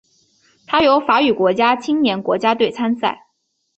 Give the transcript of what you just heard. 它由法语国家青年国家队参赛。